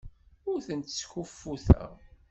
Ur tent-skuffuteɣ.